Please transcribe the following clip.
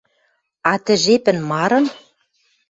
А тӹ жепӹн марын